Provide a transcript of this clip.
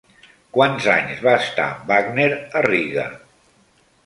Quants anys va estar Wagner a Riga?